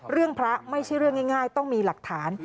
พระไม่ใช่เรื่องง่ายต้องมีหลักฐาน